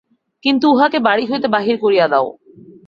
কিন্তু উহাকে বাড়ি হইতে বাহির করিয়া দেও।